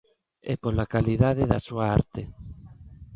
E pola calidade da súa arte.